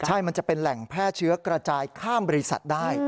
ใช่มันจะเป็นแหล่งแพร่เชื้อกระจายข้ามบริษัทได้